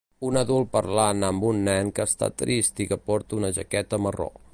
Un adult parlant amb un nen que està trist i que porta una jaqueta marró.